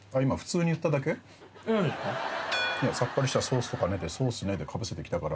「さっぱりしたソースとかね」で「そーすね」でかぶせてきたから。